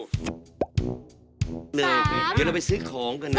นี่เนี่ยวันนี้เราไปซื้อของก่อนนะ